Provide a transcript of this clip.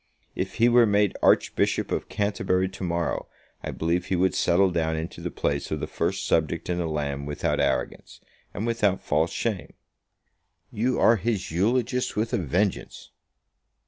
If he were made Archbishop of Canterbury to morrow, I believe he would settle down into the place of the first subject in the land without arrogance, and without false shame." "You are his eulogist with a vengeance."